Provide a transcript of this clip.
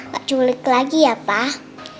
gak culik lagi ya pak